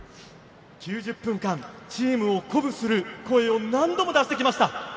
９０分間、チームを鼓舞する声を何度も出してきました。